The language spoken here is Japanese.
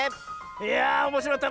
いやあおもしろかった。